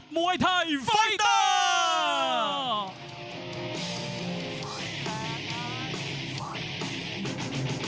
รับไปเลยเงินรางวัลไฟเตอร์